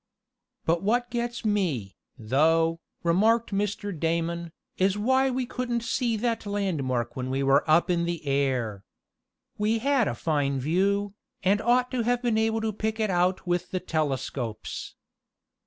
"But what gets me, though," remarked Mr. Damon, "is why we couldn't see that landmark when we were up in the air. We had a fine view, and ought to have been able to pick it out with the telescopes."